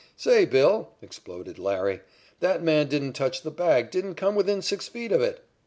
"Say, 'Bill,'" exploded "Larry," "that man didn't touch the bag didn't come within six feet of it."